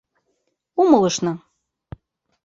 — Умылышна!